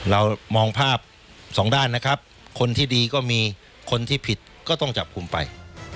เรามองภาพสองด้านนะครับคนที่ดีก็มีคนที่ผิดก็ต้องจับกลุ่มไป